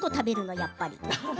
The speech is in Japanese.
やっぱり。